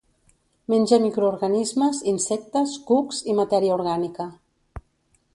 Menja microorganismes, insectes, cucs i matèria orgànica.